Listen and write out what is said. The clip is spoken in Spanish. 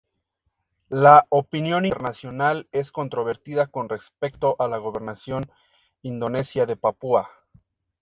La opinión internacional es controvertida con respecto a la gobernación Indonesia de Papúa.